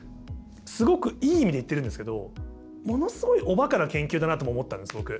すごくいい意味で言ってるんですけどものすごいおバカな研究だなとも思ったんです僕。